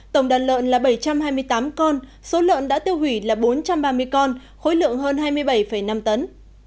tổng đàn lợn là bảy trăm hai mươi tám con số lợn đã tiêu hủy là bốn trăm ba mươi con khối lượng hơn hai mươi bảy năm tấn